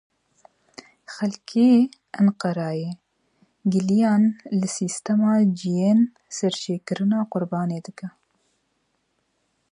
Xelkê Enqereyê giliyan li sîstema ciyên serjêkirina qurbanê dike.